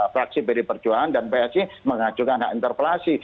fraksi pd perjuangan dan psi mengajukan hak interpelasi